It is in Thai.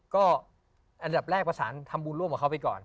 ก็อันดับแรกประสานทำบุญร่วมกับเขาไปก่อน